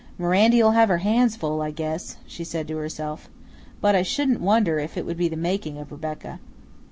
"Mirandy'll have her hands full, I guess," she said to herself; "but I shouldn't wonder if it would be the making of Rebecca."